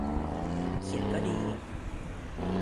เขียนก็ดี